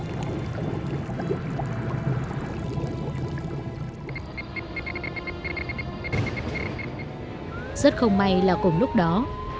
rất không may là cùng lúc này